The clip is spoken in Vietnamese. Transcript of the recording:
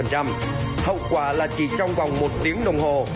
hậu quả là chỉ trong vòng một tiếng đồng hồ